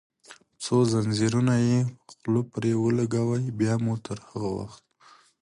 څو زنځیرونه یې خوله پرې ولګوي، بیا مو تر هغه وخت.